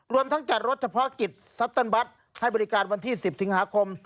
รวมทั้งจัดรถเฉพาะกิจซัตเติ้ลบัคให้บริการวันที่๑๐สิงหาคม